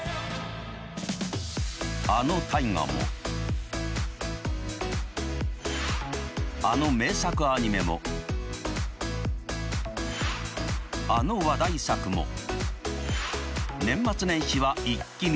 あの「大河」もあの名作アニメもあの話題作も年末年始はイッキ見！